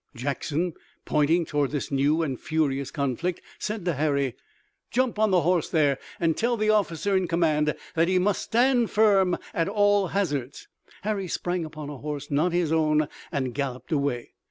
Jackson, pointing toward this new and furious conflict, said to Harry: "Jump on the horse there and tell the officer in command that he must stand firm at all hazards!" Harry sprang upon a horse not his own, and galloped away.